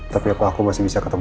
tapi aku aku masih bisa ketemu